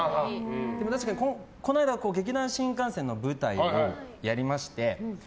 でも確かに、この間劇団☆新感線の舞台をやりまして。